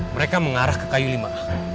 mereka mengarah ke kayu lima